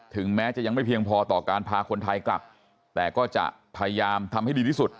ถึงแม้จะยังไม่เพียงพอต่อการพาคนไทยกลับแต่ก็จะพยายามทำให้ดีที่สุด